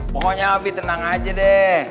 pokoknya lebih tenang aja deh